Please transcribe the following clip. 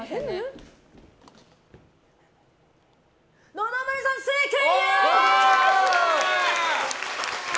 野々村さん、正解！